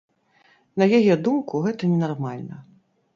На яе думку, гэта ненармальна.